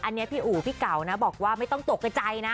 อันนี้พี่อู๋พี่เก่านะบอกว่าไม่ต้องตกกระใจนะ